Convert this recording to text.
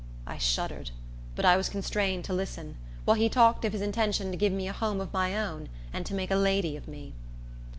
I shuddered; but I was constrained to listen, while he talked of his intention to give me a home of my own, and to make a lady of me.